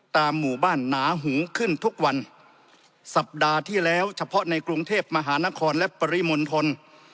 หมู่บ้านหนาหูขึ้นทุกวันสัปดาห์ที่แล้วเฉพาะในกรุงเทพมหานครและปริมณฑล